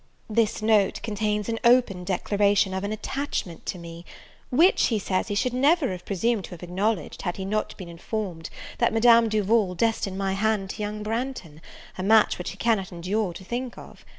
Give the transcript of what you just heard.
This note contains an open declaration of an attachment to me; which, he says, he should never have presumed to have acknowledged, had he not been informed that Madame Duval destined my hand to young Branghton, a match which he cannot endure to think of.